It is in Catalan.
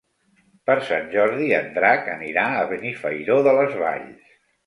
Per Sant Jordi en Drac anirà a Benifairó de les Valls.